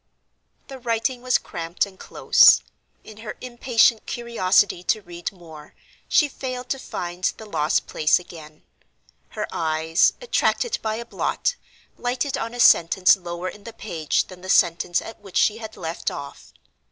The writing was cramped and close. In her impatient curiosity to read more, she failed to find the lost place again. Her eyes, attracted by a blot, lighted on a sentence lower in the page than the sentence at which she had left off.